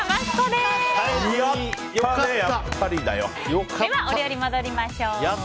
では、お料理に戻りましょう。